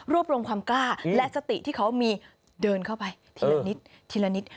รวมความกล้าและสติที่เขามีเดินเข้าไปทีละนิดทีละนิด